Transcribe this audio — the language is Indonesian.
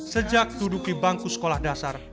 sejak duduk di bangku sekolah dasar